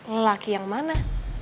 lelaki yang mana